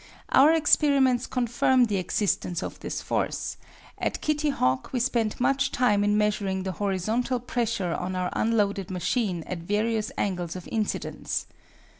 Our experiments confirm the existence of this force. At Kitty Hawk we spent much time in measuring the horizontal pressure on our unloaded machine at various angles of incidence.